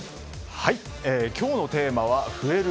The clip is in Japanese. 今日のテーマは増える